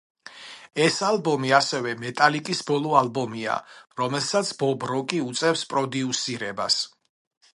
ეს ალბომი ასევე მეტალიკის ბოლო ალბომია, რომელსაც ბობ როკი უწევს პროდიუსირებას.